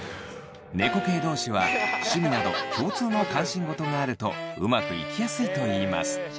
猫系同士は趣味など共通の関心事があるとうまくいきやすいといいます。